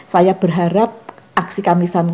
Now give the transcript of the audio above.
saya berharap aksi kamisan